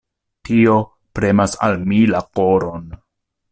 Tio premas al mi la koron.